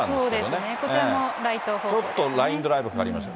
そうですね、ちょっとラインドライブかかりました。